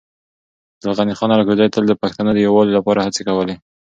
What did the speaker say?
عبدالغني خان الکوزی تل د پښتنو د يووالي لپاره هڅې کولې.